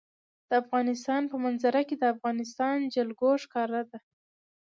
د افغانستان په منظره کې د افغانستان جلکو ښکاره ده.